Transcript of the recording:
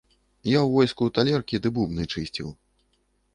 Я ў войску талеркі ды бубны чысціў.